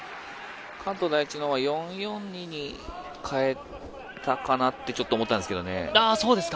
関東第一は４−４−２に変えたかなって、ちょっと思ったんですけどね。